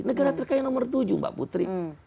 negara terkaya nomor tujuh mbak putri